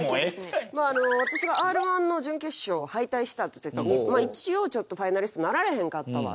まああの私がＲ−１の準決勝敗退したって時にまあ一応ちょっと「ファイナリストなられへんかったわ」と。